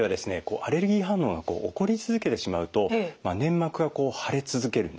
アレルギー反応が起こり続けてしまうと粘膜が腫れ続けるんですよね。